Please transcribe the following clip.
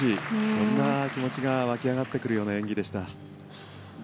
そんな気持ちが湧き上がってくるような演技でした。